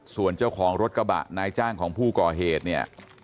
ส่วนเจ้าของรถกระบะนายจ้างของผู้ก่อเหตุเนี่ย